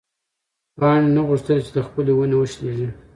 پاڼې نه غوښتل چې له خپلې ونې وشلېږي.